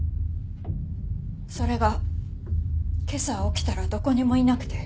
それが今朝起きたらどこにもいなくて。